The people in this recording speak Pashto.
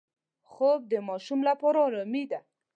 خوب د ماشوم لپاره آرامي ده